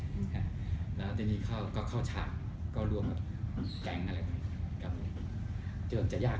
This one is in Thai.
แล้วในทีนี้เกิดเข้าฉากร่วมกับแกงอะไร